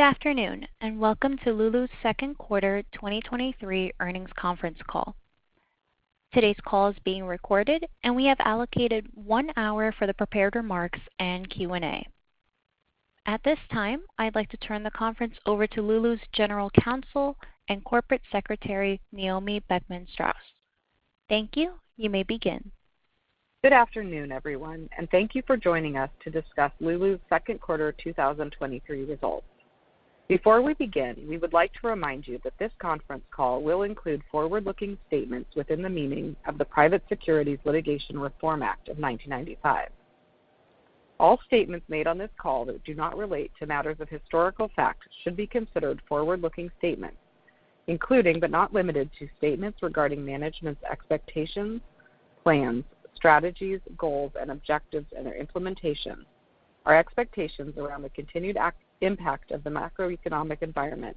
Good afternoon, welcome to Lulu's 2nd Quarter 2023 Earnings conference call. Today's call is being recorded, we have allocated one hour for the prepared remarks and Q&A. At this time, I'd like to turn the conference over to Lulu's General Counsel and Corporate Secretary, Naomi Beckman-Straus. Thank you. You may begin. Good afternoon, everyone, and thank you for joining us to discuss Lulu's 2Q 2023 results. Before we begin, we would like to remind you that this conference call will include forward-looking statements within the meaning of the Private Securities Litigation Reform Act of 1995. All statements made on this call that do not relate to matters of historical fact should be considered forward-looking statements, including, but not limited to, statements regarding management's expectations, plans, strategies, goals, and objectives, and their implementation. Our expectations around the continued impact of the macroeconomic environment,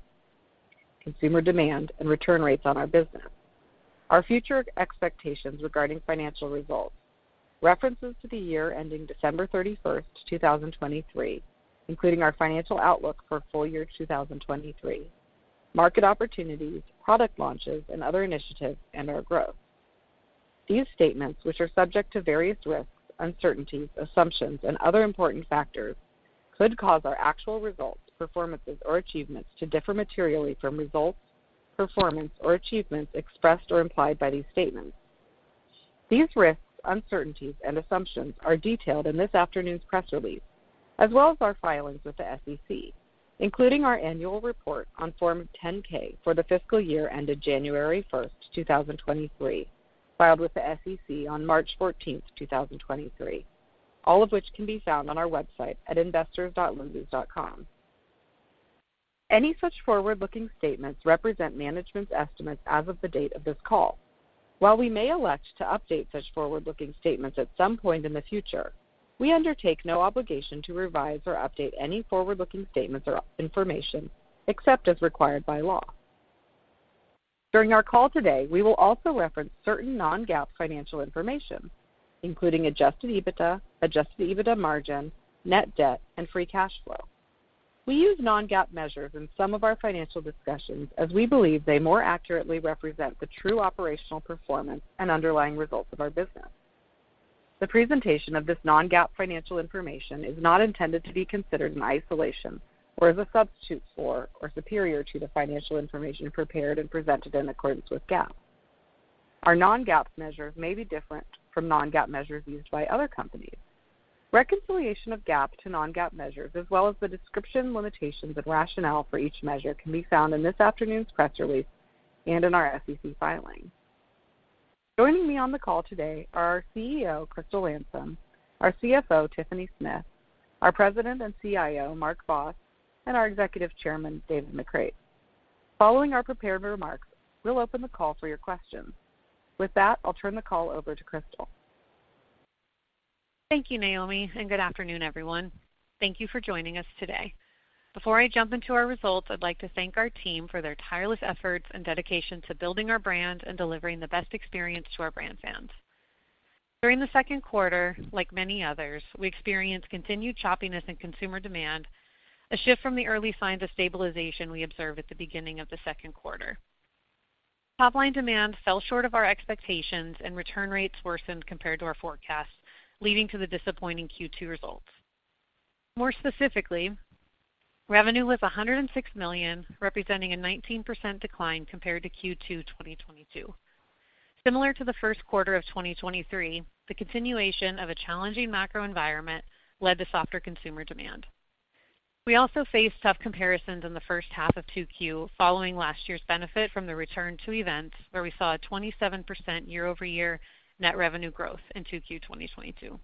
consumer demand, and return rates on our business, our future expectations regarding financial results. References to the year ending December 31st, 2023, including our financial outlook for full year 2023, market opportunities, product launches, and other initiatives, and our growth. These statements, which are subject to various risks, uncertainties, assumptions, and other important factors, could cause our actual results, performances, or achievements to differ materially from results, performance, or achievements expressed or implied by these statements. These risks, uncertainties, and assumptions are detailed in this afternoon's press release, as well as our filings with the SEC, including our annual report on Form 10-K for the fiscal year ended January 1st, 2023, filed with the SEC on March 14th, 2023, all of which can be found on our website at investors.lulus.com. Any such forward-looking statements represent management's estimates as of the date of this call. While we may elect to update such forward-looking statements at some point in the future, we undertake no obligation to revise or update any forward-looking statements or information, except as required by law. During our call today, we will also reference certain non-GAAP financial information, including Adjusted EBITDA, Adjusted EBITDA margin, net debt, and free cash flow. We use non-GAAP measures in some of our financial discussions, as we believe they more accurately represent the true operational performance and underlying results of our business. The presentation of this non-GAAP financial information is not intended to be considered in isolation or as a substitute for or superior to the financial information prepared and presented in accordance with GAAP. Our non-GAAP measures may be different from non-GAAP measures used by other companies. Reconciliation of GAAP to non-GAAP measures, as well as the description, limitations, and rationale for each measure, can be found in this afternoon's press release and in our SEC filings. Joining me on the call today are our CEO, Crystal Landsem, our CFO, Tiffany Smith, our President and CIO, Mark Vos, and our Executive Chairman, David McCreight. Following our prepared remarks, we'll open the call for your questions. With that, I'll turn the call over to Crystal. Thank you, Naomi. Good afternoon, everyone. Thank you for joining us today. Before I jump into our results, I'd like to thank our team for their tireless efforts and dedication to building our brand and delivering the best experience to our brand fans. During the second quarter, like many others, we experienced continued choppiness in consumer demand, a shift from the early signs of stabilization we observed at the beginning of the 2nd quarter. Top-line demand fell short of our expectations, and return rates worsened compared to our forecasts, leading to the disappointing Q2 results. More specifically, revenue was $106 million, representing a 19% decline compared to Q2 2022. Similar to the 1st quarter of 2023, the continuation of a challenging macro environment led to softer consumer demand. We also faced tough comparisons in the 1st half of 2Q, following last year's benefit from the return to events, where we saw a 27% year-over-year net revenue growth in 2Q 2022.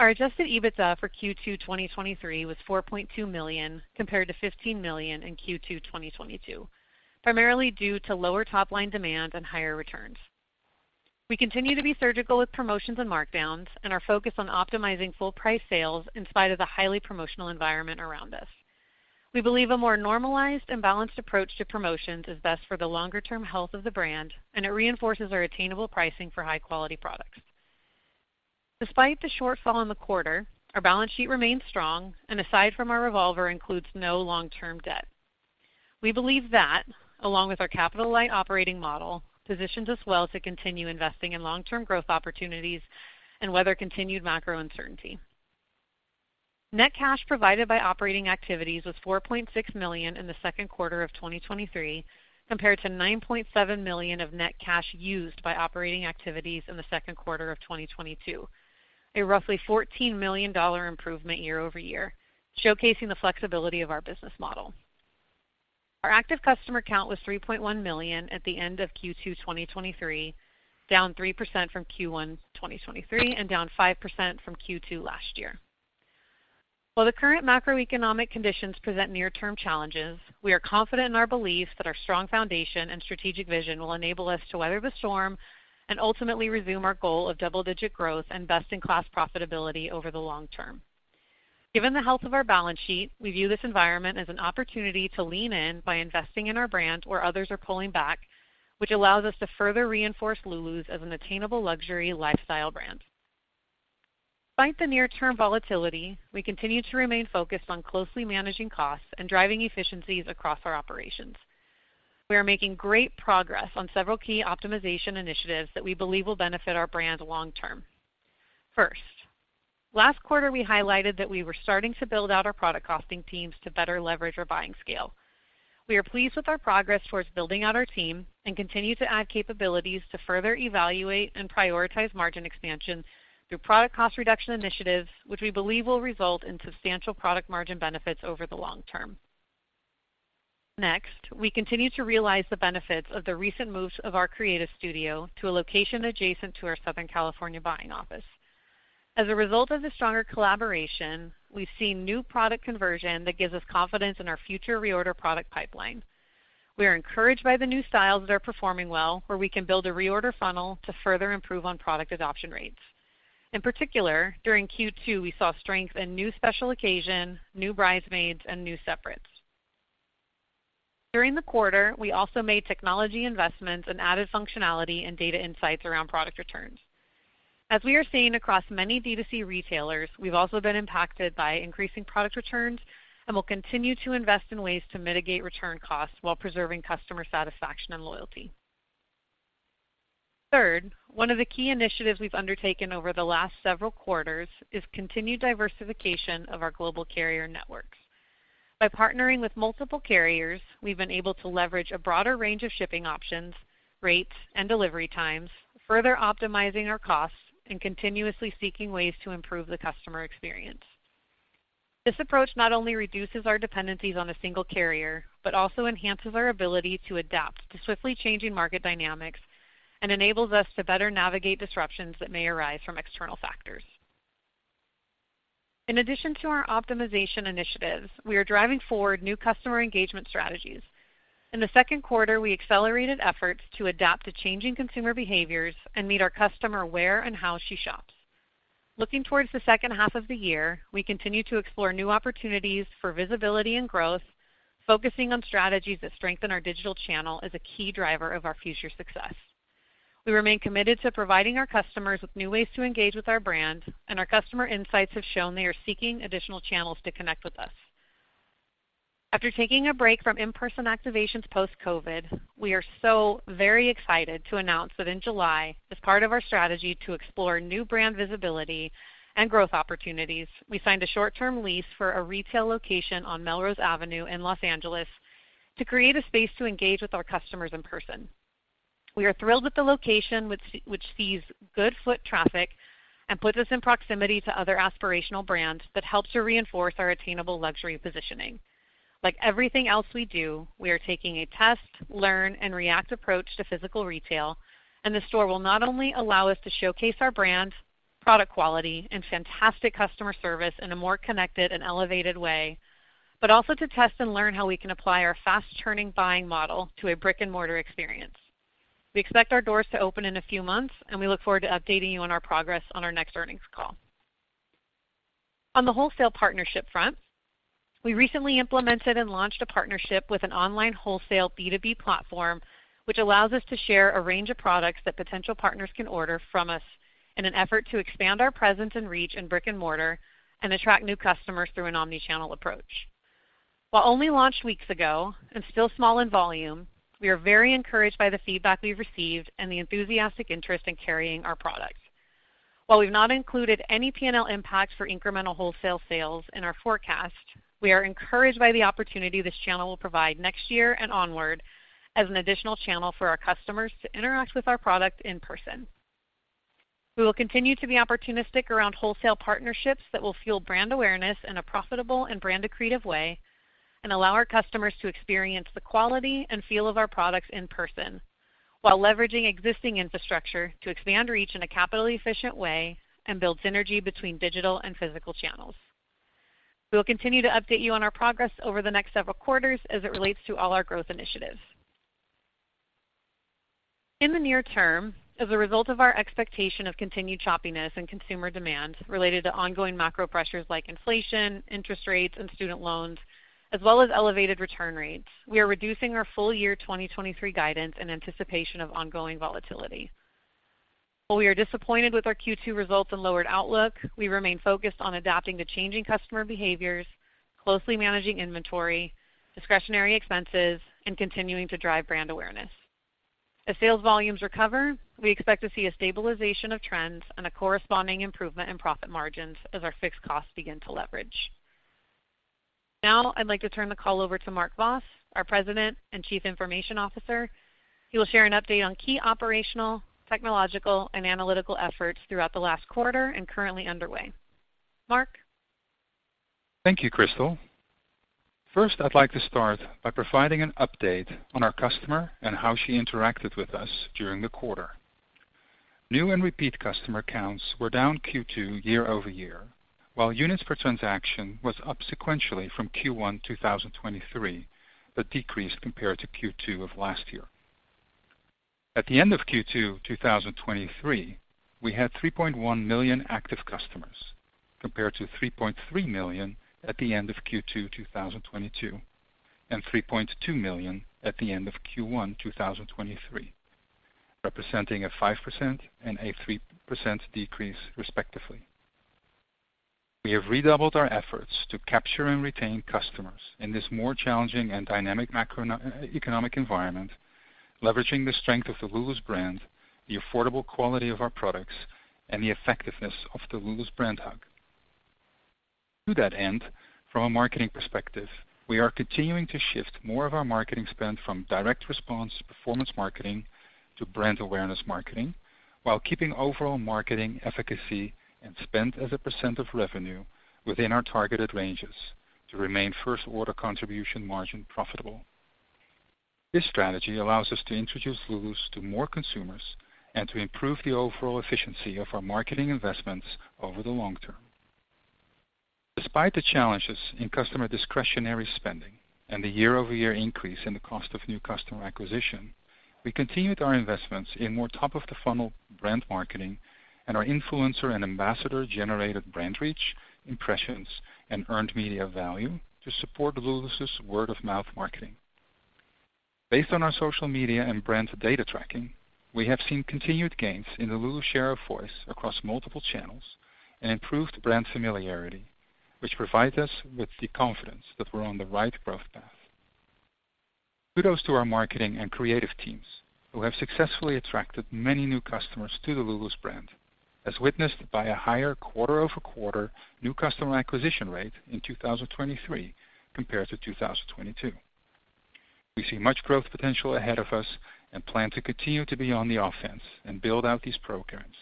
Our Adjusted EBITDA for Q2 2023 was $4.2 million, compared to $15 million in Q2 2022, primarily due to lower top-line demand and higher returns. We continue to be surgical with promotions and markdowns and are focused on optimizing full price sales in spite of the highly promotional environment around us. We believe a more normalized and balanced approach to promotions is best for the longer-term health of the brand, and it reinforces our attainable pricing for high-quality products. Despite the shortfall in the quarter, our balance sheet remains strong and, aside from our revolver, includes no long-term debt. We believe that, along with our capital-light operating model, positions us well to continue investing in long-term growth opportunities and weather continued macro uncertainty. Net cash provided by operating activities was $4.6 million in the 2nd quarter of 2023, compared to $9.7 million of net cash used by operating activities in the 2nd quarter of 2022, a roughly $14 million improvement year-over-year, showcasing the flexibility of our business model. Our active customer count was 3.1 million at the end of Q2 2023, down 3% from Q1 2023 and down 5% from Q2 last year. While the current macroeconomic conditions present near-term challenges, we are confident in our belief that our strong foundation and strategic vision will enable us to weather the storm and ultimately resume our goal of double-digit growth and best-in-class profitability over the long term. Given the health of our balance sheet, we view this environment as an opportunity to lean in by investing in our brand where others are pulling back, which allows us to further reinforce Lulu's as an attainable luxury lifestyle brand. Despite the near-term volatility, we continue to remain focused on closely managing costs and driving efficiencies across our operations. We are making great progress on several key optimization initiatives that we believe will benefit our brand long term. First, last quarter, we highlighted that we were starting to build out our product costing teams to better leverage our buying scale. We are pleased with our progress towards building out our team and continue to add capabilities to further evaluate and prioritize margin expansion through product cost reduction initiatives, which we believe will result in substantial product margin benefits over the long term. Next, we continue to realize the benefits of the recent moves of our creative studio to a location adjacent to our Southern California buying office. As a result of the stronger collaboration, we've seen new product conversion that gives us confidence in our future reorder product pipeline. We are encouraged by the new styles that are performing well, where we can build a reorder funnel to further improve on product adoption rates. In particular, during Q2, we saw strength in new special occasion, new bridesmaids, and new separates. During the quarter, we also made technology investments and added functionality and data insights around product returns. As we are seeing across many D2C retailers, we've also been impacted by increasing product returns and will continue to invest in ways to mitigate return costs while preserving customer satisfaction and loyalty. Third, one of the key initiatives we've undertaken over the last several quarters is continued diversification of our global carrier networks. By partnering with multiple carriers, we've been able to leverage a broader range of shipping options, rates, and delivery times, further optimizing our costs and continuously seeking ways to improve the customer experience. This approach not only reduces our dependencies on a single carrier, but also enhances our ability to adapt to swiftly changing market dynamics and enables us to better navigate disruptions that may arise from external factors. In addition to our optimization initiatives, we are driving forward new customer engagement strategies. In the 2nd quarter, we accelerated efforts to adapt to changing consumer behaviors and meet our customer where and how she shops. Looking towards the 2nd half of the year, we continue to explore new opportunities for visibility and growth, focusing on strategies that strengthen our digital channel as a key driver of our future success. We remain committed to providing our customers with new ways to engage with our brand, and our customer insights have shown they are seeking additional channels to connect with us. After taking a break from in-person activations post-COVID, we are so very excited to announce that in July, as part of our strategy to explore new brand visibility and growth opportunities, we signed a short-term lease for a retail location on Melrose Avenue in Los Angeles to create a space to engage with our customers in person. We are thrilled with the location, which sees good foot traffic and puts us in proximity to other aspirational brands that help to reinforce our attainable luxury positioning. Like everything else we do, we are taking a test, learn, and react approach to physical retail. The store will not only allow us to showcase our brand, product quality, and fantastic customer service in a more connected and elevated way, but also to test and learn how we can apply our fast-turning buying model to a brick-and-mortar experience. We expect our doors to open in a few months. We look forward to updating you on our progress on our next earnings call. On the wholesale partnership front, we recently implemented and launched a partnership with an online wholesale B2B platform, which allows us to share a range of products that potential partners can order from us in an effort to expand our presence and reach in brick and mortar and attract new customers through an omni-channel approach. While only launched weeks ago and still small in volume, we are very encouraged by the feedback we've received and the enthusiastic interest in carrying our products. While we've not included any P&L impact for incremental wholesale sales in our forecast, we are encouraged by the opportunity this channel will provide next year and onward as an additional channel for our customers to interact with our product in person. We will continue to be opportunistic around wholesale partnerships that will fuel brand awareness in a profitable and brand-accretive way and allow our customers to experience the quality and feel of our products in person, while leveraging existing infrastructure to expand reach in a capital-efficient way and build synergy between digital and physical channels. We will continue to update you on our progress over the next several quarters as it relates to all our growth initiatives. In the near term, as a result of our expectation of continued choppiness in consumer demand related to ongoing macro pressures like inflation, interest rates, and student loans, as well as elevated return rates, we are reducing our full year 2023 guidance in anticipation of ongoing volatility. While we are disappointed with our Q2 results and lowered outlook, we remain focused on adapting to changing customer behaviors, closely managing inventory, discretionary expenses, and continuing to drive brand awareness. As sales volumes recover, we expect to see a stabilization of trends and a corresponding improvement in profit margins as our fixed costs begin to leverage. Now, I'd like to turn the call over to Mark Vos, our President and Chief Information Officer. He will share an update on key operational, technological, and analytical efforts throughout the last quarter and currently underway. Mark? Thank you, Crystal. First, I'd like to start by providing an update on our customer and how she interacted with us during the quarter. New and repeat customer counts were down Q2 year-over-year, while units per transaction was up sequentially from Q1 2023, decreased compared to Q2 of last year. At the end of Q2 2023, we had 3.1 million active customers compared to 3.3 million at the end of Q2 2022, and 3.2 million at the end of Q1 2023, representing a 5% and a 3% decrease, respectively. We have redoubled our efforts to capture and retain customers in this more challenging and dynamic macroeconomic environment, leveraging the strength of the Lulu's brand, the affordable quality of our products, and the effectiveness of the Lulu's brand hug. To that end, from a marketing perspective, we are continuing to shift more of our marketing spend from direct response performance marketing to brand awareness marketing, while keeping overall marketing efficacy and spend as a percent of revenue within our targeted ranges to remain first-order contribution margin profitable. This strategy allows us to introduce Lulus to more consumers and to improve the overall efficiency of our marketing investments over the long term. Despite the challenges in customer discretionary spending and the year-over-year increase in the cost of new customer acquisition, we continued our investments in more top-of-the-funnel brand marketing and our influencer and ambassador-generated brand reach, impressions, and earned media value to support Lulus's word-of-mouth marketing. Based on our social media and brand data tracking, we have seen continued gains in the Lulu's share of voice across multiple channels and improved brand familiarity, which provides us with the confidence that we're on the right growth path. Kudos to our marketing and creative teams, who have successfully attracted many new customers to the Lulu's brand, as witnessed by a higher quarter-over-quarter new customer acquisition rate in 2023 compared to 2022. We see much growth potential ahead of us and plan to continue to be on the offense and build out these programs,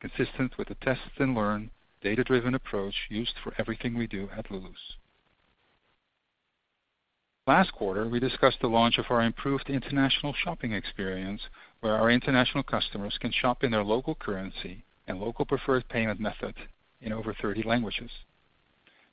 consistent with the test-and-learn, data-driven approach used for everything we do at Lulu's. Last quarter, we discussed the launch of our improved international shopping experience, where our international customers can shop in their local currency and local preferred payment method in over 30 languages.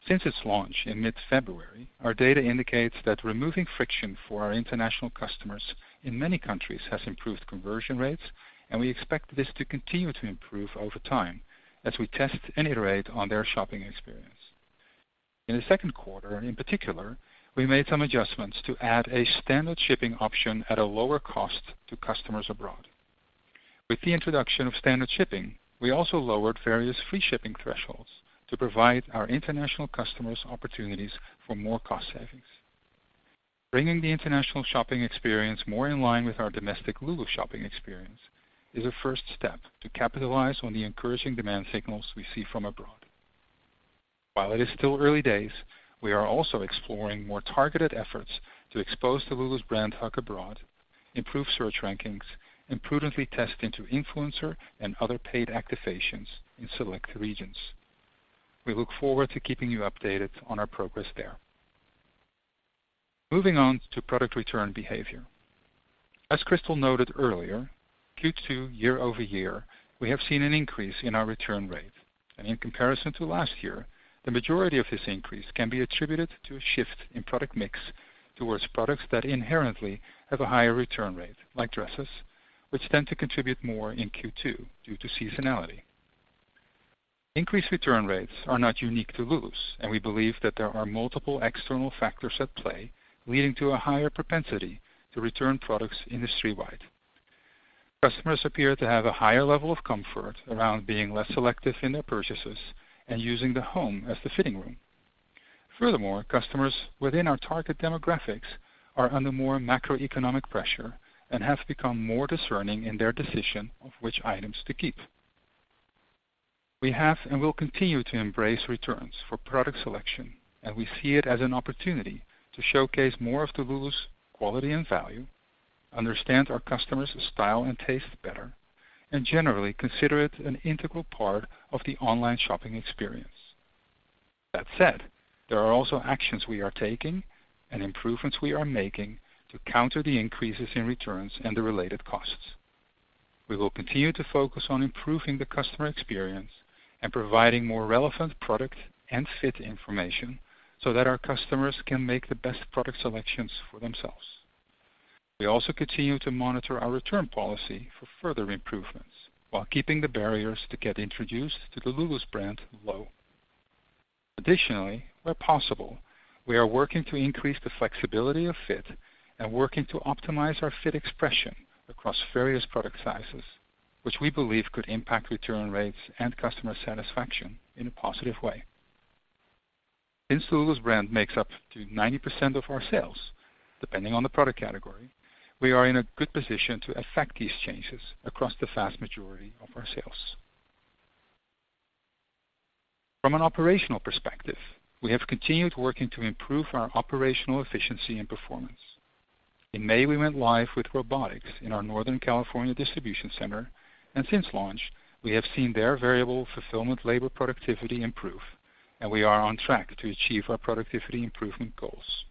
Since its launch in mid-February, our data indicates that removing friction for our international customers in many countries has improved conversion rates, and we expect this to continue to improve over time as we test and iterate on their shopping experience. In the 2nd quarter, in particular, we made some adjustments to add a standard shipping option at a lower cost to customers abroad. With the introduction of standard shipping, we also lowered various free shipping thresholds to provide our international customers opportunities for more cost savings. Bringing the international shopping experience more in line with our domestic Lulu's shopping experience is a 1st step to capitalize on the encouraging demand signals we see from abroad. While it is still early days, we are also exploring more targeted efforts to expose the Lulu's brand hug abroad, improve search rankings, and prudently test into influencer and other paid activations in select regions. We look forward to keeping you updated on our progress there. Moving on to product return behavior. As Crystal noted earlier, Q2, year-over-year, we have seen an increase in our return rate, and in comparison to last year, the majority of this increase can be attributed to a shift in product mix towards products that inherently have a higher return rate, like dresses, which tend to contribute more in Q2 due to seasonality. Increased return rates are not unique to Lulu's. We believe that there are multiple external factors at play, leading to a higher propensity to return products industry-wide. Customers appear to have a higher level of comfort around being less selective in their purchases and using the home as the fitting room. Furthermore, customers within our target demographics are under more macroeconomic pressure and have become more discerning in their decision of which items to keep. We have and will continue to embrace returns for product selection, and we see it as an opportunity to showcase more of the Lulu's quality and value, understand our customers' style and taste better, and generally consider it an integral part of the online shopping experience. That said, there are also actions we are taking and improvements we are making to counter the increases in returns and the related costs. We will continue to focus on improving the customer experience and providing more relevant product and fit information so that our customers can make the best product selections for themselves. We also continue to monitor our return policy for further improvements while keeping the barriers to get introduced to the Lulu's brand low. Additionally, where possible, we are working to increase the flexibility of fit and working to optimize our fit expression across various product sizes, which we believe could impact return rates and customer satisfaction in a positive way. Since the Lulu's brand makes up to 90% of our sales, depending on the product category, we are in a good position to affect these changes across the vast majority of our sales. From an operational perspective, we have continued working to improve our operational efficiency and performance. In May, we went live with robotics in our Northern California distribution center. Since launch, we have seen their variable fulfillment labor productivity improve, and we are on track to achieve our productivity improvement goals.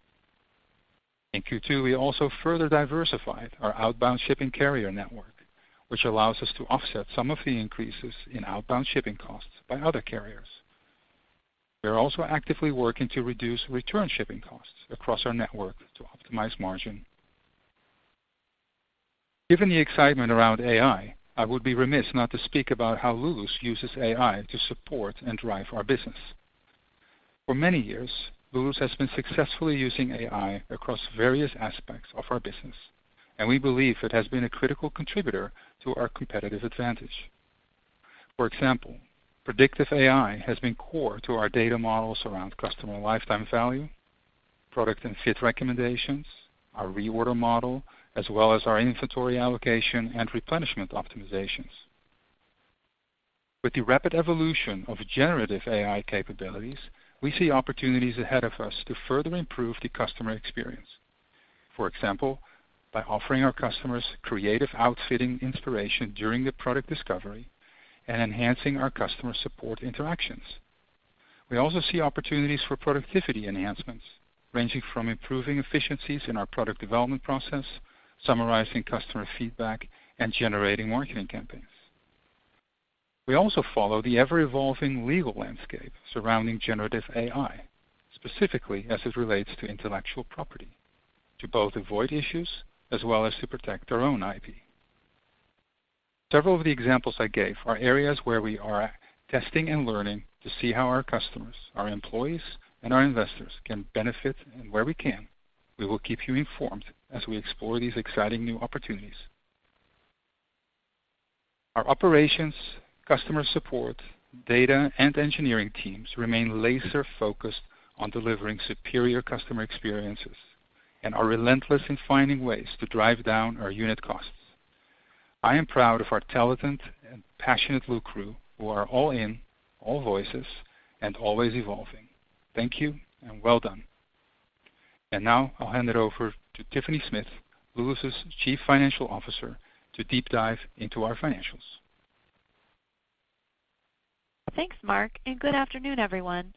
In Q2, we also further diversified our outbound shipping carrier network, which allows us to offset some of the increases in outbound shipping costs by other carriers. We are also actively working to reduce return shipping costs across our network to optimize margin. Given the excitement around AI, I would be remiss not to speak about how Lulus uses AI to support and drive our business. For many years, Lulus has been successfully using AI across various aspects of our business, and we believe it has been a critical contributor to our competitive advantage. For example, predictive AI has been core to our data models around customer lifetime value, product and fit recommendations, our reorder model, as well as our inventory allocation and replenishment optimizations. With the rapid evolution of generative AI capabilities, we see opportunities ahead of us to further improve the customer experience. For example, by offering our customers creative outfitting inspiration during the product discovery and enhancing our customer support interactions. We also see opportunities for productivity enhancements, ranging from improving efficiencies in our product development process, summarizing customer feedback, and generating marketing campaigns. We also follow the ever-evolving legal landscape surrounding generative AI, specifically as it relates to intellectual property, to both avoid issues as well as to protect our own IP. Several of the examples I gave are areas where we are testing and learning to see how our customers, our employees, and our investors can benefit, and where we can, we will keep you informed as we explore these exciting new opportunities. Our operations, customer support, data, and engineering teams remain laser-focused on delivering superior customer experiences and are relentless in finding ways to drive down our unit costs. I am proud of our talented and passionate LuCrew, who are all in, all voices, and always evolving. Thank you and well done. Now I'll hand it over to Tiffany Smith, Lulu's Chief Financial Officer, to deep dive into our financials. Thanks, Mark. Good afternoon, everyone.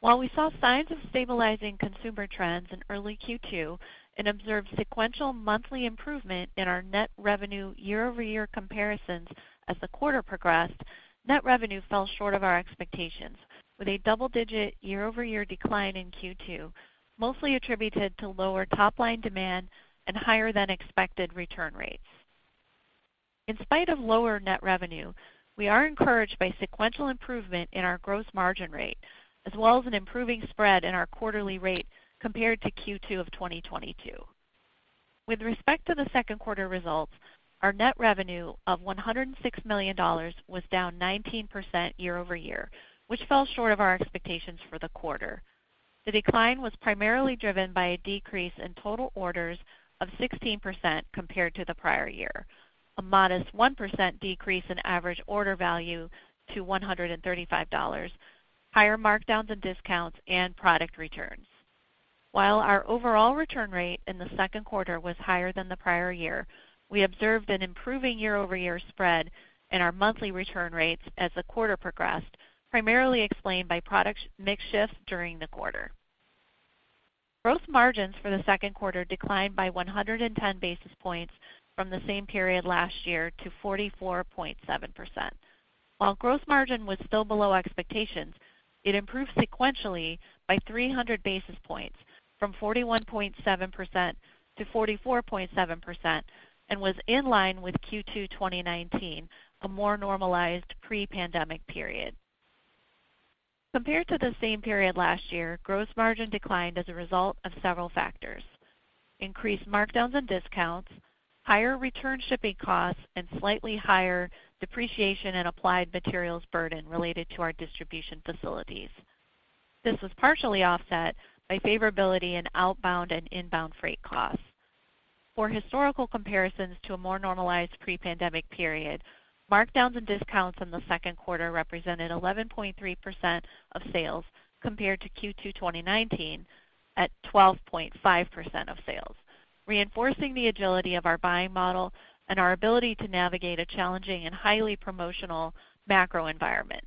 While we saw signs of stabilizing consumer trends in early Q2 and observed sequential monthly improvement in our net revenue year-over-year comparisons as the quarter progressed, net revenue fell short of our expectations, with a double-digit year-over-year decline in Q2, mostly attributed to lower top-line demand and higher-than-expected return rates. In spite of lower net revenue, we are encouraged by sequential improvement in our gross margin rate, as well as an improving spread in our quarterly rate compared to Q2 of 2022. With respect to the 2nd quarter results, our net revenue of $106 million was down 19% year-over-year, which fell short of our expectations for the quarter. The decline was primarily driven by a decrease in total orders of 16% compared to the prior year, a modest 1% decrease in average order value to $135, higher markdowns and discounts, and product returns. While our overall return rate in the 2nd quarter was higher than the prior year, we observed an improving year-over-year spread in our monthly return rates as the quarter progressed, primarily explained by product mix shifts during the quarter. Gross margins for the 2nd quarter declined by 110 basis points from the same period last year to 44.7%. While gross margin was still below expectations, it improved sequentially by 300 basis points, from 41.7% to 44.7%, and was in line with Q2 2019, a more normalized pre-pandemic period. Compared to the same period last year, gross margin declined as a result of several factors: increased markdowns and discounts, higher return shipping costs, and slightly higher depreciation and applied materials burden related to our distribution facilities. This was partially offset by favorability in outbound and inbound freight costs. For historical comparisons to a more normalized pre-pandemic period, markdowns and discounts in the 2nd quarter represented 11.3% of sales, compared to Q2 2019, at 12.5% of sales, reinforcing the agility of our buying model and our ability to navigate a challenging and highly promotional macro environment.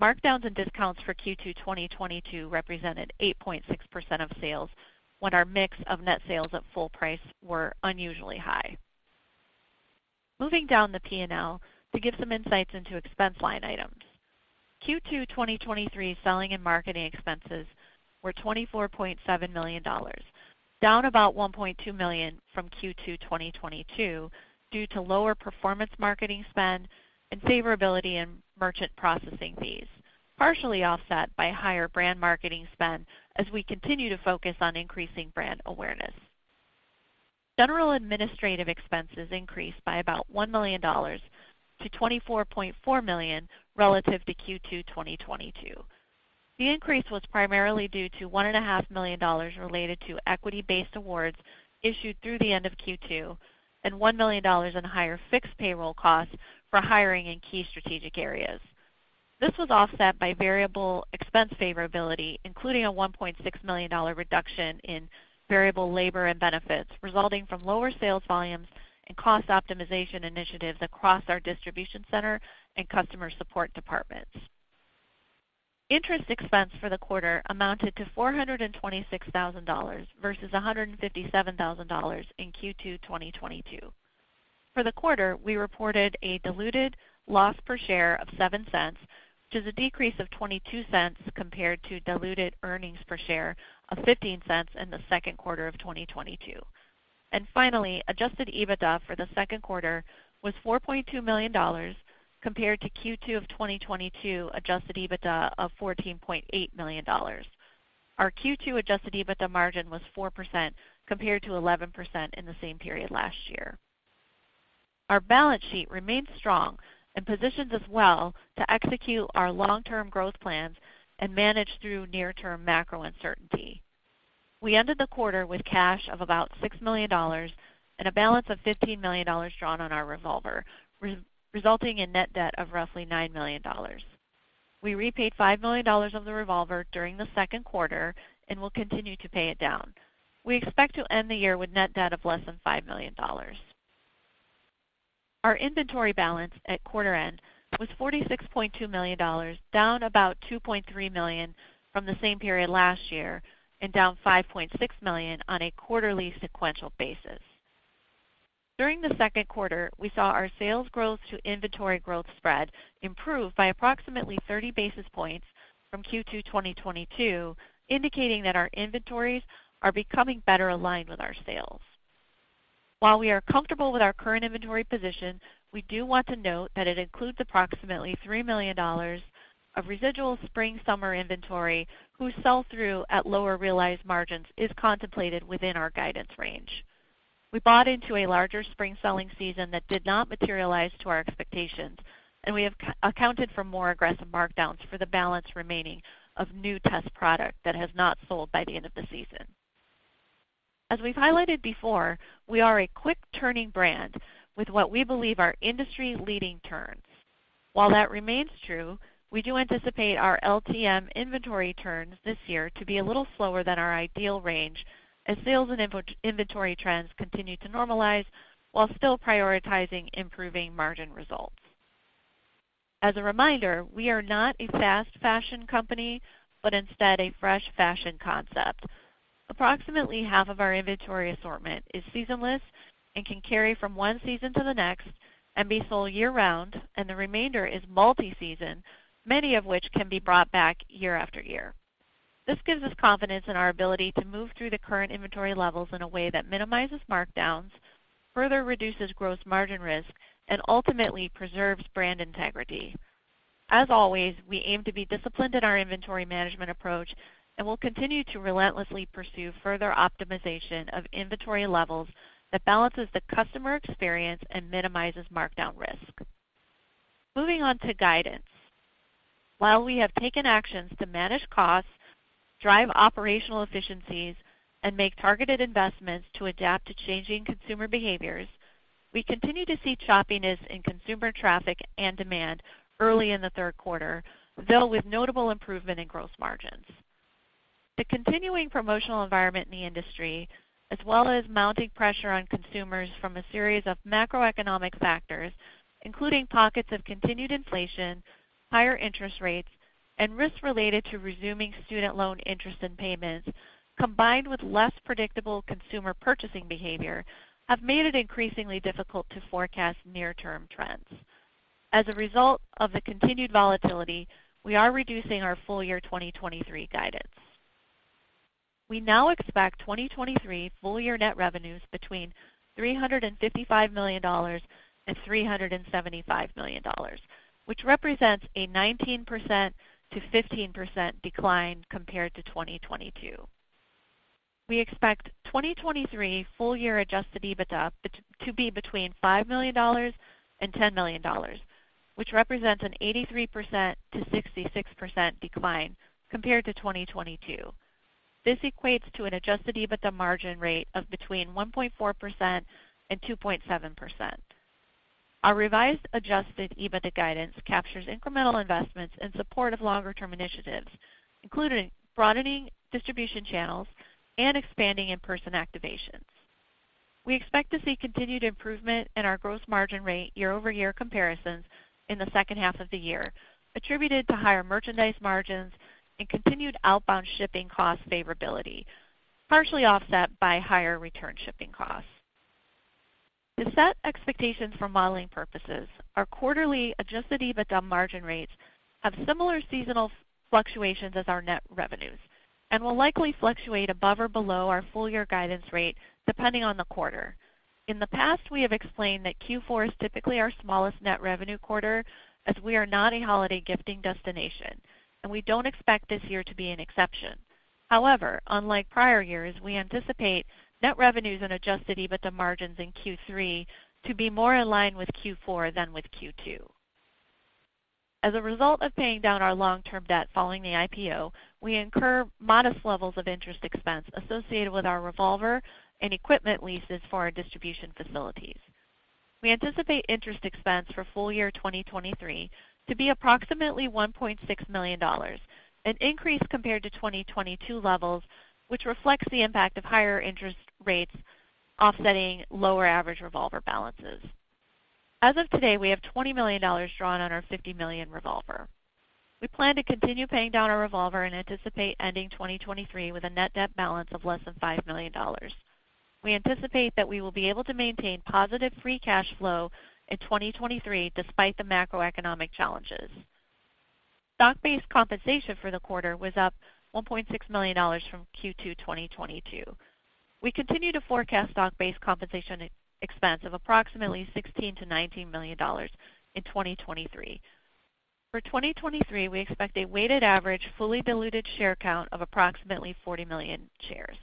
Markdowns and discounts for Q2 2022 represented 8.6% of sales, when our mix of net sales at full price were unusually high. Moving down the P&L to give some insights into expense line items. Q2 2023 selling and marketing expenses were $24.7 million, down about $1.2 million from Q2 2022, due to lower performance marketing spend and favorability in merchant processing fees, partially offset by higher brand marketing spend as we continue to focus on increasing brand awareness. General administrative expenses increased by about $1 million to $24.4 million relative to Q2 2022. The increase was primarily due to $1.5 million related to equity-based awards issued through the end of Q2 and $1 million in higher fixed payroll costs for hiring in key strategic areas. This was offset by variable expense favorability, including a $1.6 million reduction in variable labor and benefits, resulting from lower sales volumes and cost optimization initiatives across our distribution center and customer support departments. Interest expense for the quarter amounted to $426,000 versus $157,000 in Q2 2022. For the quarter, we reported a diluted loss per share of $0.07, which is a decrease of $0.22 compared to diluted earnings per share of $0.15 in the 2nd quarter of 2022. Finally, Adjusted EBITDA for the 2nd quarter was $4.2 million compared to Q2 of 2022 Adjusted EBITDA of $14.8 million. Our Q2 adjusted EBITDA margin was 4% compared to 11% in the same period last year. Our balance sheet remains strong and positions us well to execute our long-term growth plans and manage through near-term macro uncertainty. We ended the quarter with cash of about $6 million and a balance of $15 million drawn on our revolver, re-resulting in net debt of roughly $9 million. We repaid $5 million of the revolver during the 2nd quarter and will continue to pay it down. We expect to end the year with net debt of less than $5 million. Our inventory balance at quarter end was $46.2 million, down about $2.3 million from the same period last year and down $5.6 million on a quarterly sequential basis. During the 2nd quarter, we saw our sales growth to inventory growth spread improve by approximately 30 basis points from Q2 2022, indicating that our inventories are becoming better aligned with our sales. While we are comfortable with our current inventory position, we do want to note that it includes approximately $3 million of residual spring, summer inventory, whose sell-through at lower realized margins is contemplated within our guidance range. We bought into a larger spring selling season that did not materialize to our expectations. We have accounted for more aggressive markdowns for the balance remaining of new test product that has not sold by the end of the season. As we've highlighted before, we are a quick-turning brand with what we believe are industry-leading turns. While that remains true, we do anticipate our LTM inventory turns this year to be a little slower than our ideal range, as sales and inventory trends continue to normalize while still prioritizing improving margin results. As a reminder, we are not a fast fashion company, but instead a fresh fashion concept. Approximately half of our inventory assortment is seasonless and can carry from one season to the next and be sold year-round, and the remainder is multi-season, many of which can be brought back year after year. This gives us confidence in our ability to move through the current inventory levels in a way that minimizes markdowns, further reduces gross margin risk, and ultimately preserves brand integrity. As always, we aim to be disciplined in our inventory management approach and will continue to relentlessly pursue further optimization of inventory levels that balances the customer experience and minimizes markdown risk. Moving on to guidance. While we have taken actions to manage costs, drive operational efficiencies, and make targeted investments to adapt to changing consumer behaviors, we continue to see choppiness in consumer traffic and demand early in the 3rd quarter, though with notable improvement in gross margins. The continuing promotional environment in the industry, as well as mounting pressure on consumers from a series of macroeconomic factors, including pockets of continued inflation, higher interest rates, and risks related to resuming student loan interest and payments, combined with less predictable consumer purchasing behavior, have made it increasingly difficult to forecast near-term trends. As a result of the continued volatility, we are reducing our full year 2023 guidance. We now expect 2023 full year net revenues between $355 million and $375 million, which represents a 19%-15% decline compared to 2022. We expect 2023 full year Adjusted EBITDA to be between $5 million and $10 million, which represents an 83%-66% decline compared to 2022. This equates to an Adjusted EBITDA margin rate of between 1.4% and 2.7%. Our revised Adjusted EBITDA guidance captures incremental investments in support of longer term initiatives, including broadening distribution channels and expanding in-person activations. We expect to see continued improvement in our gross margin rate year-over-year comparisons in the 2nd half of the year, attributed to higher merchandise margins and continued outbound shipping cost favorability, partially offset by higher return shipping costs. To set expectations for modeling purposes, our quarterly Adjusted EBITDA margin rates have similar seasonal fluctuations as our net revenues and will likely fluctuate above or below our full year guidance rate, depending on the quarter. In the past, we have explained that Q4 is typically our smallest net revenue quarter, as we are not a holiday gifting destination, and we don't expect this year to be an exception. However, unlike prior years, we anticipate net revenues and Adjusted EBITDA margins in Q3 to be more aligned with Q4 than with Q2. As a result of paying down our long-term debt following the IPO, we incur modest levels of interest expense associated with our revolver and equipment leases for our distribution facilities. We anticipate interest expense for full year 2023 to be approximately $1.6 million, an increase compared to 2022 levels, which reflects the impact of higher interest rates, offsetting lower average revolver balances. As of today, we have $20 million drawn on our $50 million revolver.... We plan to continue paying down our revolver and anticipate ending 2023 with a net debt balance of less than $5 million. We anticipate that we will be able to maintain positive free cash flow in 2023, despite the macroeconomic challenges. Stock-based compensation for the quarter was up $1.6 million from Q2, 2022. We continue to forecast stock-based compensation ex-expense of approximately $16 million-$19 million in 2023. For 2023, we expect a weighted average, fully diluted share count of approximately 40 million shares.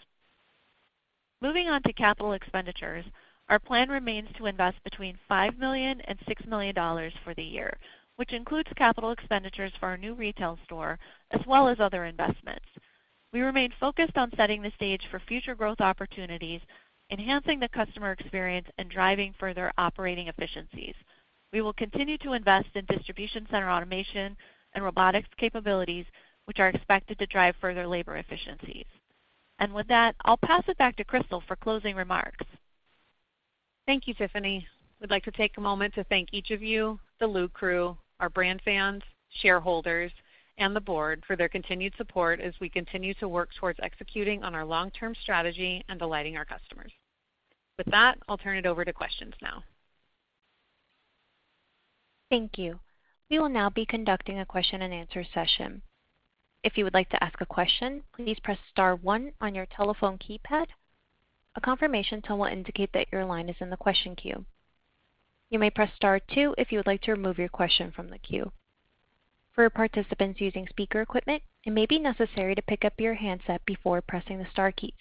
Moving on to capital expenditures, our plan remains to invest between $5 million and $6 million for the year, which includes capital expenditures for our new retail store, as well as other investments. We remain focused on setting the stage for future growth opportunities, enhancing the customer experience, and driving further operating efficiencies. We will continue to invest in distribution center automation and robotics capabilities, which are expected to drive further labor efficiencies. With that, I'll pass it back to Crystal for closing remarks. Thank you, Tiffany. We'd like to take a moment to thank each of you, the LuCrew, our brand fans, shareholders, and the board for their continued support as we continue to work towards executing on our long-term strategy and delighting our customers. With that, I'll turn it over to questions now. Thank you. We will now be conducting a question-and-answer session. If you would like to ask a question, please press star one on your telephone keypad. A confirmation tone will indicate that your line is in the question queue. You may press star two if you would like to remove your question from the queue. For participants using speaker equipment, it may be necessary to pick up your handset before pressing the star keys.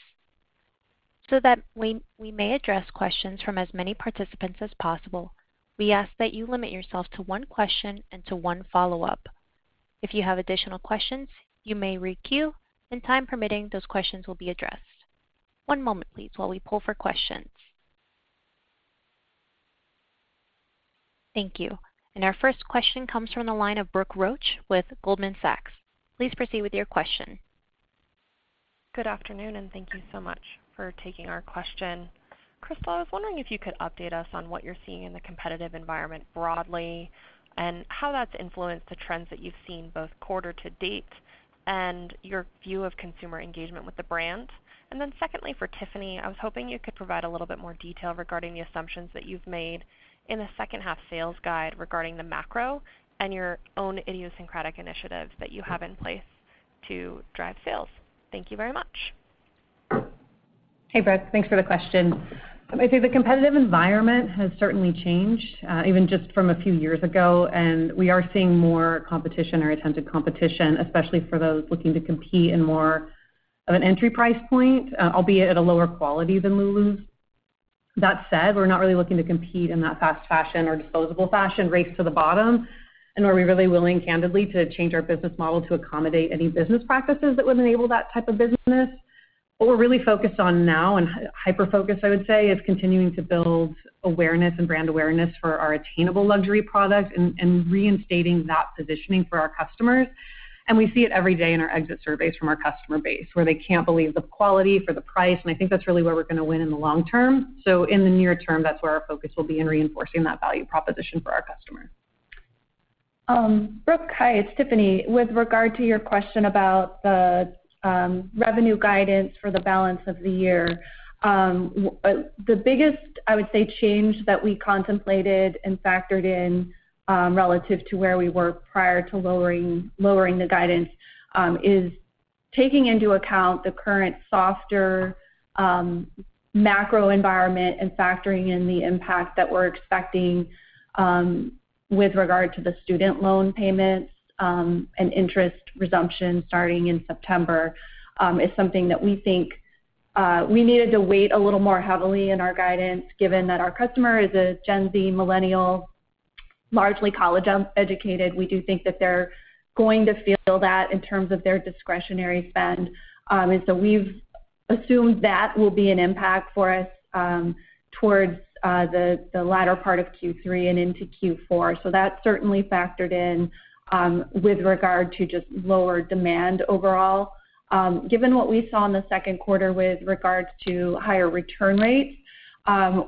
So that we may address questions from as many participants as possible, we ask that you limit yourself to one question and to one follow-up. If you have additional questions, you may re-queue, and time permitting, those questions will be addressed. One moment, please, while we pull for questions. Thank you. Our 1st question comes from the line of Brooke Roach with Goldman Sachs. Please proceed with your question. Good afternoon, and thank you so much for taking our question. Crystal, I was wondering if you could update us on what you're seeing in the competitive environment broadly, and how that's influenced the trends that you've seen both quarter to date and your view of consumer engagement with the brand. Then secondly, for Tiffany, I was hoping you could provide a little bit more detail regarding the assumptions that you've made in the 2nd half sales guide regarding the macro and your own idiosyncratic initiatives that you have in place to drive sales. Thank you very much. Hey, Brooke, thanks for the question. I'd say the competitive environment has certainly changed, even just from a few years ago. We are seeing more competition or attempted competition, especially for those looking to compete in more of an entry price point, albeit at a lower quality than Lulu's. That said, we're not really looking to compete in that fast fashion or disposable fashion race to the bottom, nor are we really willing, candidly, to change our business model to accommodate any business practices that would enable that type of business. What we're really focused on now, hyper-focused, I would say, is continuing to build awareness and brand awareness for our attainable luxury product and reinstating that positioning for our customers. We see it every day in our exit surveys from our customer base, where they can't believe the quality for the price, and I think that's really where we're gonna win in the long term. In the near term, that's where our focus will be, in reinforcing that value proposition for our customers. Brooke, hi, it's Tiffany. With regard to your question about the revenue guidance for the balance of the year, the biggest, I would say, change that we contemplated and factored in, relative to where we were prior to lowering, lowering the guidance, is taking into account the current softer macro environment and factoring in the impact that we're expecting, with regard to the student loan payments and interest resumption starting in September, is something that we think we needed to weight a little more heavily in our guidance, given that our customer is a Gen Z, millennial, largely college-educated. We do think that they're going to feel that in terms of their discretionary spend. We've assumed that will be an impact for us towards the latter part of Q3 and into Q4. That certainly factored in with regard to just lower demand overall. Given what we saw in the 2nd quarter with regards to higher return rates,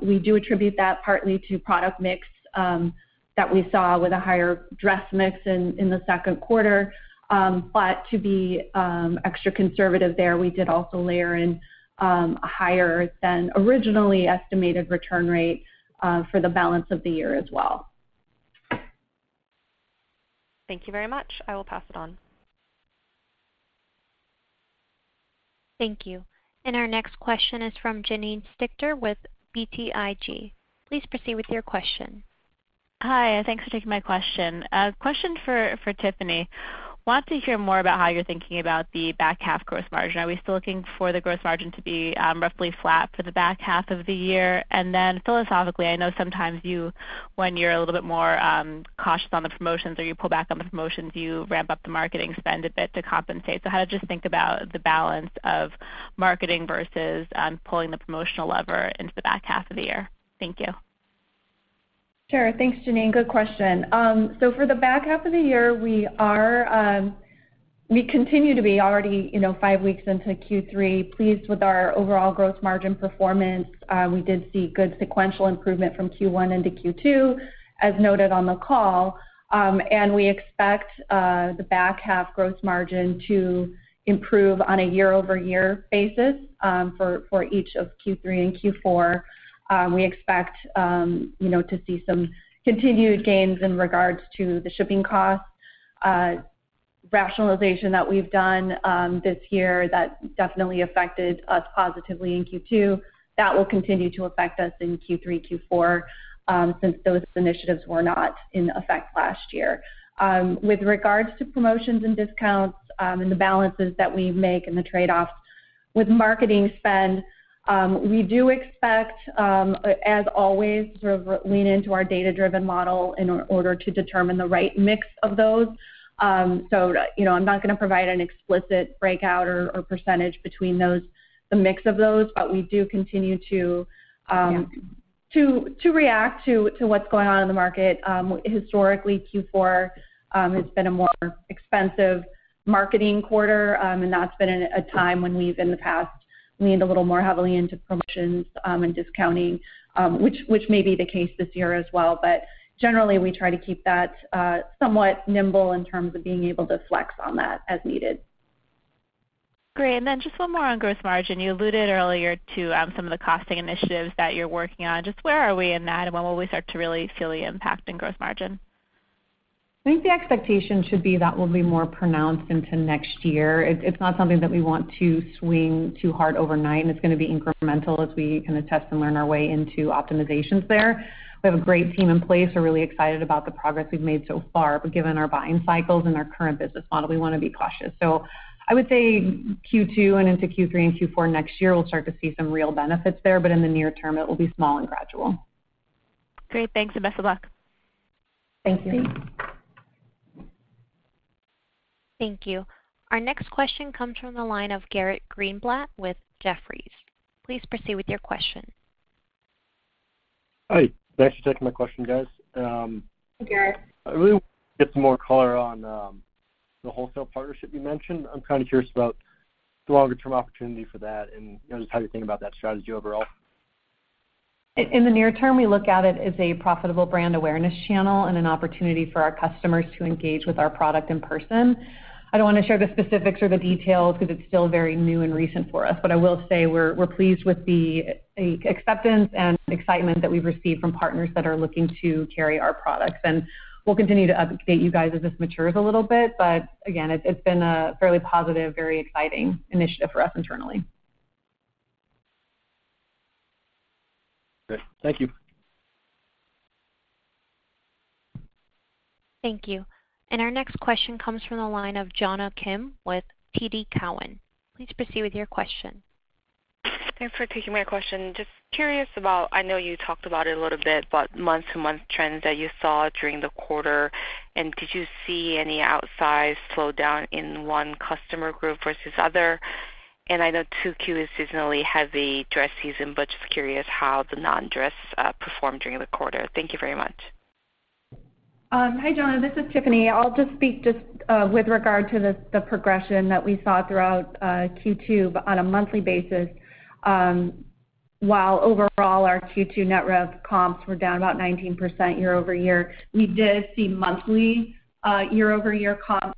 we do attribute that partly to product mix that we saw with a higher dress mix in the 2nd quarter. To be extra conservative there, we did also layer in a higher than originally estimated return rate for the balance of the year as well. Thank you very much. I will pass it on. Thank you. Our next question is from Janine Stichter with BTIG. Please proceed with your question. Hi, thanks for taking my question. A question for, for Tiffany. Want to hear more about how you're thinking about the back half gross margin. Are we still looking for the gross margin to be roughly flat for the back half of the year? Philosophically, I know sometimes when you're a little bit more cautious on the promotions or you pull back on the promotions, you ramp up the marketing spend a bit to compensate. How to just think about the balance of marketing versus pulling the promotional lever into the back half of the year? Thank you. Sure. Thanks, Janine. Good question. So for the back half of the year, we are... we continue to be already, you know, five weeks into Q3, pleased with our overall growth margin performance. We did see good sequential improvement from Q1 into Q2, as noted on the call. We expect the back half growth margin to improve on a year-over-year basis, for, for each of Q3 and Q4. We expect, you know, to see some continued gains in regards to the shipping costs rationalization that we've done this year, that definitely affected us positively in Q2. That will continue to affect us in Q3, Q4, since those initiatives were not in effect last year. With regards to promotions and discounts, and the balances that we make and the trade-offs with marketing spend, we do expect, as always, sort of lean into our data-driven model in order to determine the right mix of those. You know, I'm not gonna provide an explicit breakout or percentage between those, the mix of those, but we do continue to react to what's going on in the market. Historically, Q4 has been a more expensive marketing quarter, and that's been a time when we've, in the past, leaned a little more heavily into promotions, and discounting, which may be the case this year as well. Generally, we try to keep that, somewhat nimble in terms of being able to flex on that as needed. Great. Just one more on gross margin. You alluded earlier to some of the costing initiatives that you're working on. Just where are we in that, and when will we start to really feel the impact in gross margin? I think the expectation should be that we'll be more pronounced into next year. It's not something that we want to swing too hard overnight, and it's gonna be incremental as we kind of test and learn our way into optimizations there. We have a great team in place. We're really excited about the progress we've made so far, but given our buying cycles and our current business model, we wanna be cautious. I would say Q2 and into Q3 and Q4 next year, we'll start to see some real benefits there, but in the near term, it will be small and gradual. Great. Thanks, and best of luck. Thank you. Thank you. Thank you. Our next question comes from the line of Garrett Greenblatt with Jefferies. Please proceed with your question. Hi, thanks for taking my question, guys. Hi, Garrett. I really want to get some more color on the wholesale partnership you mentioned. I'm kind of curious about the longer-term opportunity for that and, you know, just how you think about that strategy overall? In the near term, we look at it as a profitable brand awareness channel and an opportunity for our customers to engage with our product in person. I don't want to share the specifics or the details because it's still very new and recent for us, but I will say we're pleased with the acceptance and excitement that we've received from partners that are looking to carry our products. We'll continue to update you guys as this matures a little bit, but again, it's been a fairly positive, very exciting initiative for us internally. Great. Thank you. Thank you. Our next question comes from the line of Jonna Kim with TD Cowen. Please proceed with your question. Thanks for taking my question. Just curious about, I know you talked about it a little bit, but month-to-month trends that you saw during the quarter? Did you see any outsized slowdown in one customer group versus other? I know 2Q is seasonally heavy dress season, but just curious how the non-dress performed during the quarter. Thank you very much. Hi, Jonna, this is Tiffany. I'll just speak just with regard to the progression that we saw throughout Q2. On a monthly basis, while overall our Q2 net rev comps were down about 19% year-over-year, we did see monthly year-over-year comps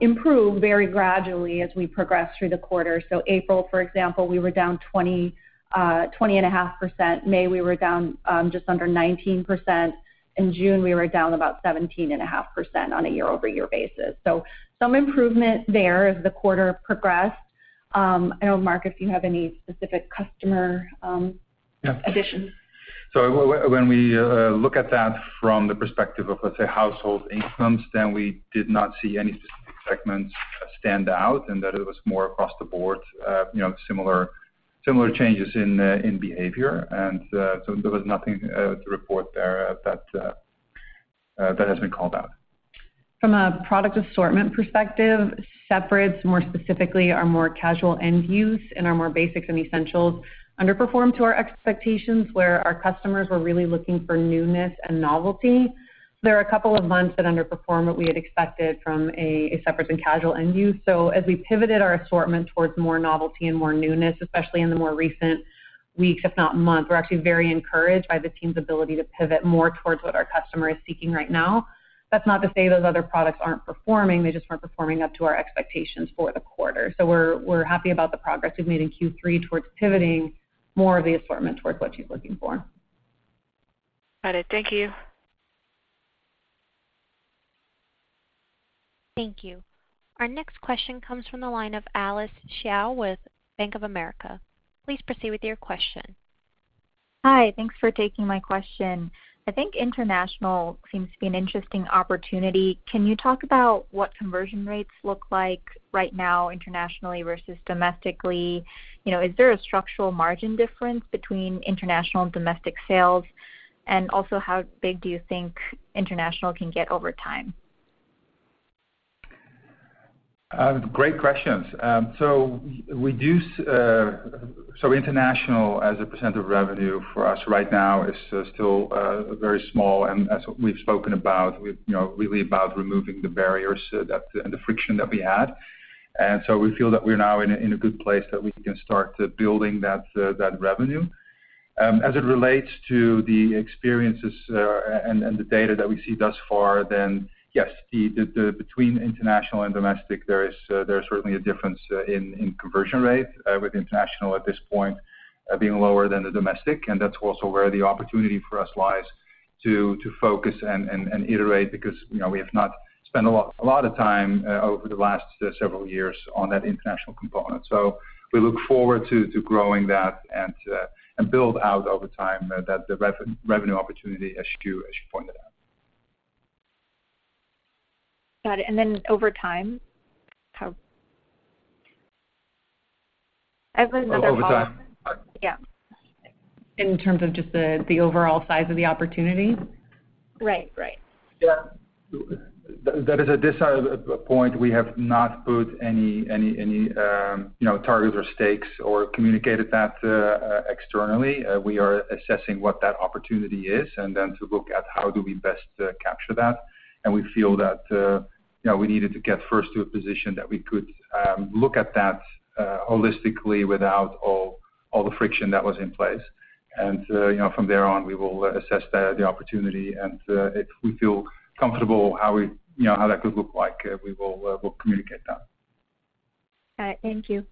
improve very gradually as we progressed through the quarter. April, for example, we were down 20.5%. May, we were down just under 19%. In June, we were down about 17.5% on a year-over-year basis. Some improvement there as the quarter progressed. I don't know, Mark, if you have any specific customer. Yeah... additions. When we look at that from the perspective of, let's say, household incomes, then we did not see any specific segments stand out, and that it was more across the board, you know, similar, similar changes in behavior. There was nothing to report there that has been called out. From a product assortment perspective, separates, more specifically, our more casual end use and our more basics and essentials, underperformed to our expectations, where our customers were really looking for newness and novelty. There are a couple of months that underperformed what we had expected from a separates and casual end use. As we pivoted our assortment towards more novelty and more newness, especially in the more recent weeks, if not months, we're actually very encouraged by the team's ability to pivot more towards what our customer is seeking right now. That's not to say those other products aren't performing, they just weren't performing up to our expectations for the quarter. We're, we're happy about the progress we've made in Q3 towards pivoting more of the assortment towards what she is looking for. Got it. Thank you. Thank you. Our next question comes from the line of Alice Xiao with Bank of America. Please proceed with your question. Hi, thanks for taking my question. I think international seems to be an interesting opportunity. Can you talk about what conversion rates look like right now internationally versus domestically? You know, is there a structural margin difference between international and domestic sales? Also, how big do you think international can get over time? Great questions. We do so international, as a percent of revenue for us right now, is still very small. As we've spoken about, we've you know, really about removing the barriers that, and the friction that we had. We feel that we're now in a good place that we can start building that revenue. As it relates to the experiences, and, and the data that we see thus far, yes, the, the, between international and domestic, there is certainly a difference in conversion rate with international at this point being lower than the domestic. That's also where the opportunity for us lies to, to focus and, and, and iterate because, you know, we have not spent a lot, a lot of time over the last several years on that international component. We look forward to, to growing that and, and build out over time, that the revenue opportunity, as you, as you pointed out. Got it. Then over time, how...? Over time. Yeah. In terms of just the, the overall size of the opportunity? Right. Right. Yeah. That is a decide... A point we have not put any, any, any, you know, targets or stakes or communicated that externally. We are assessing what that opportunity is, and then to look at how do we best capture that. We feel that, you know, we needed to get first to a position that we could look at that holistically without all, all the friction that was in place. From there on, we will assess the, the opportunity, and if we feel comfortable how we... You know, how that could look like, we will, we'll communicate that. All right. Thank you.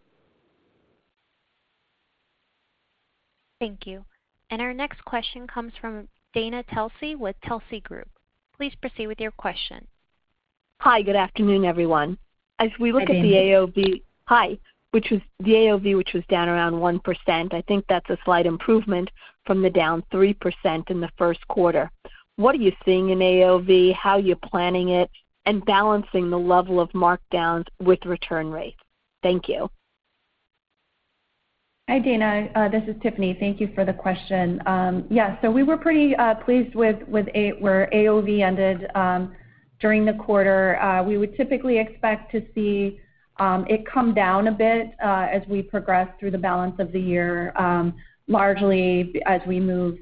Thank you. Our next question comes from Dana Telsey with Telsey Group. Please proceed with your question. Hi, good afternoon, everyone. Hi, Dana. As we look at the AOV. Hi. Which was the AOV, which was down around 1%, I think that's a slight improvement from the down 3% in the 1st quarter. What are you seeing in AOV, how you're planning it, and balancing the level of markdowns with return rates? Thank you. Hi, Dana, this is Tiffany. Thank you for the question. Yeah, we were pretty pleased with where AOV ended during the quarter. We would typically expect to see it come down a bit as we progress through the balance of the year, largely as we move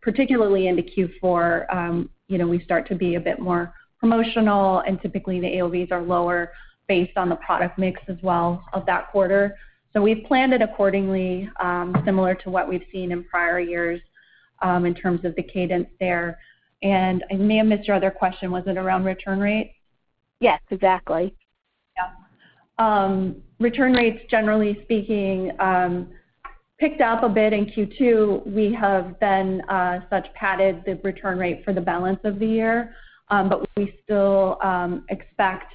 particularly into Q4, you know, we start to be a bit more promotional, and typically, the AOVs are lower based on the product mix as well of that quarter. We've planned it accordingly, similar to what we've seen in prior years, in terms of the cadence there. I may have missed your other question. Was it around return rates? Yes, exactly. Yeah. Return rates, generally speaking, picked up a bit in Q2. We have been such padded the return rate for the balance of the year, but we still expect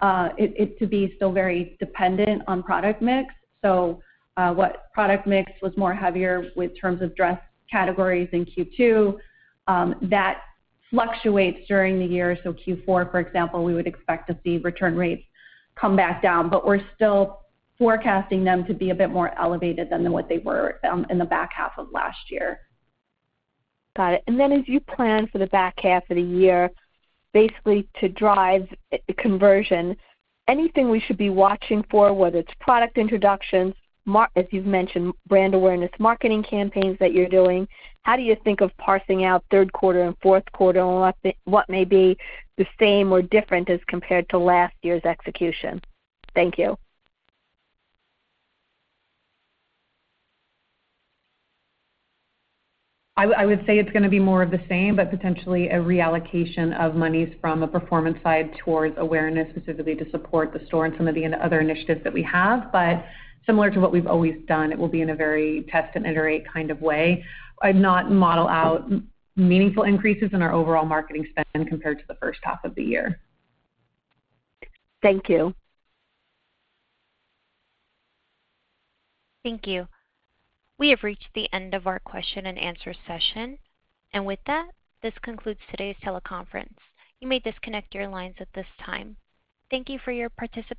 it to be still very dependent on product mix. What product mix was more heavier with terms of dress categories in Q2, that fluctuates during the year. Q4, for example, we would expect to see return rates come back down, but we're still forecasting them to be a bit more elevated than what they were in the back half of last year. Got it. Then as you plan for the back half of the year, basically to drive conversion, anything we should be watching for, whether it's product introductions, as you've mentioned, brand awareness, marketing campaigns that you're doing, how do you think of parsing out 3rd quarter and 4th quarter, and what may be the same or different as compared to last year's execution? Thank you. I would say it's gonna be more of the same, but potentially a reallocation of monies from a performance side towards awareness, specifically to support the store and some of the other initiatives that we have. Similar to what we've always done, it will be in a very test-and-iterate kind of way, not model out meaningful increases in our overall marketing spend compared to the first half of the year. Thank you. Thank you. We have reached the end of our question and answer session. With that, this concludes today's teleconference. You may disconnect your lines at this time. Thank you for your participation.